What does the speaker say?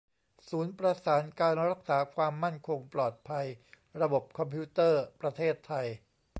ศูนย์ประสานการรักษาความมั่นคงปลอดภัยระบบคอมพิวเตอร์ประเทศไทย